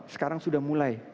sekarang sudah mulai